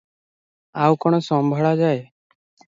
ଆଉ କଣ ସମ୍ଭଳା ଯାଏ?